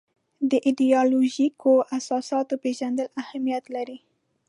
د ایدیالوژیکو اساساتو پېژندل اهمیت لري.